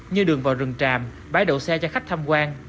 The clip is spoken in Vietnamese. như đường vào rừng tràm bái đậu xe cho khách tham quan